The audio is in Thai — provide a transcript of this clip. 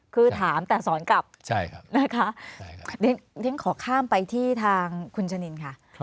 คือถามแต่สอนกลับขอข้ามไปที่ทางคุณชนินค่ะ